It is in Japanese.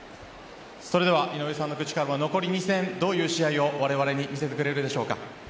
それでは井上さんの口から残り２戦どういう試合を我々に見せてくれるでしょうか。